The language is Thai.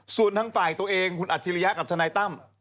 ส่วนทางฝ่ายตัวเองคุณอัจฉริยะกับทนายตั้ม